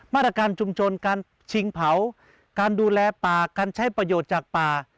มาตรการชุมชนการชิงเผาการดูแลป่าการใช้ประโยชน์จากป่า